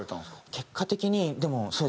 結果的にでもそうですね